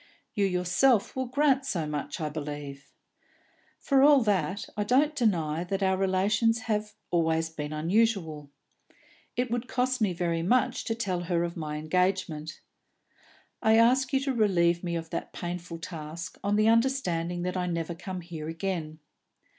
You yourself will grant so much, I believe. For all that, I don't deny that our relations have always been unusual; and it would cost me very much to tell her of my engagement. I ask you to relieve me of the painful task, on the understanding that I never come here again.